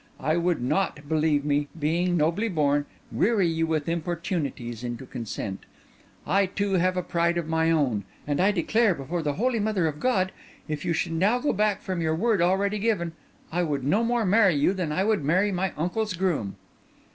I would not, believe me, being nobly born, weary you with importunities into consent. I too have a pride of my own: and I declare before the holy mother of God, if you should now go back from your word already given, I would no more marry you than I would marry my uncle's groom."